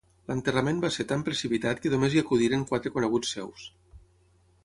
L'enterrament va ser tan precipitat que només hi acudiren quatre coneguts seus.